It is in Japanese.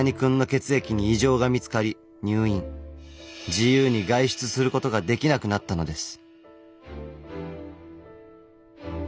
自由に外出することができなくなったのです。